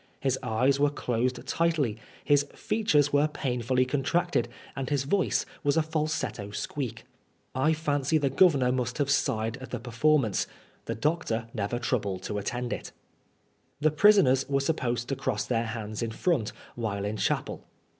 His eyes were closed tightly, his features were painfully contracted, and his voice was a falsetto squeak. I fancy the Governor must have sighed at the performance. The doctor never troubled to attend it. The prisoners were supposed to cross their hands in front while in chapel.